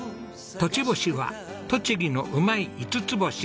栃星は栃木のうまい５つ星。